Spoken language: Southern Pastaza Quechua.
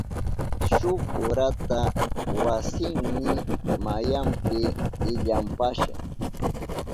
Shuk urata wasiyni mayanpi ilampashka.